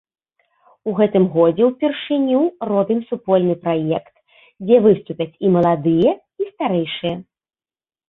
У гэтым годзе ўпершыню робім супольны праект, дзе выступяць і маладыя, і старэйшыя.